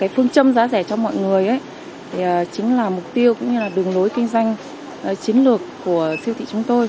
phương châm giá rẻ cho mọi người chính là mục tiêu cũng như là đường lối kinh doanh chiến lược của siêu thị chúng tôi